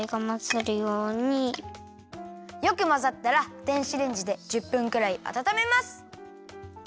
よくまざったら電子レンジで１０分くらいあたためます。